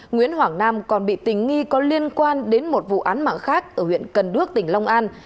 nguyễn hoàng nam còn bị tình nghi có liên quan đến một vụ án mạng khác ở huyện cần đước tỉnh long an